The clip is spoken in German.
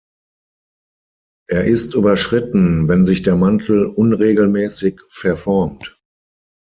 Er ist überschritten, wenn sich der Mantel unregelmäßig verformt.